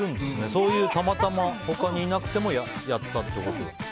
そういうたまたま他にいなくてもやったってこと。